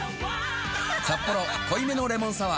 「サッポロ濃いめのレモンサワー」